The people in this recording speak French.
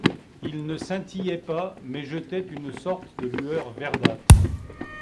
Ils ne scintillaient pas, mais jetaient une sorte de lueur verdâtre.